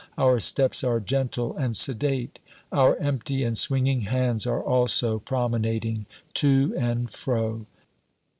Our steps are gentle and sedate; our empty and swinging hands are also promenading, to and fro.